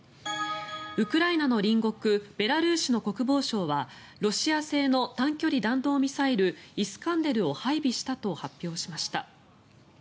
ウクライナの隣国ベラルーシの国防省はロシア製の短距離弾道ミサイルイスカンデルを配備したと発表しました。